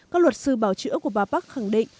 các luật sư bảo chữa của bà park khẳng định